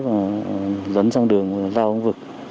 và dẫn sang đường lao vùng vực